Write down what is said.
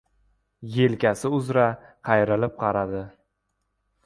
Yelkasi uzra qayrilib qaradi.